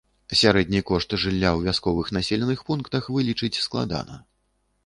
Сярэдні кошт жылля ў вясковых населеных пунктах вылічыць складана.